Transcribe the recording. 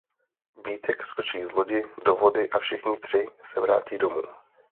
Vítek skočí z lodi do vody a všichni tři se vrátí domů.